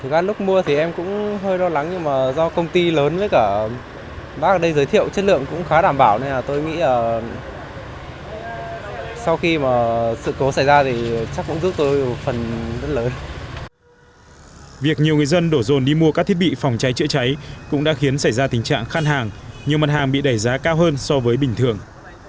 việc nhiều người dân đổ rồn đi mua các thiết bị phòng cháy chữa cháy cũng đã khiến xảy ra tình trạng khăn hàng nhiều mặt hàng bị đẩy giá cao hơn so với bình thường